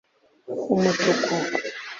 umutuku